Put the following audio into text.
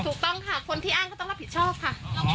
ถูกต้องค่ะคนที่อ้างก็ต้องรับผิดชอบค่ะ